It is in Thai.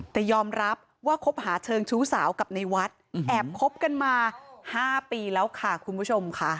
แต่ยอมรับว่าคบหาเชิงชู้สาวกับในวัดแอบคบกันมา๕ปีแล้วค่ะคุณผู้ชมค่ะ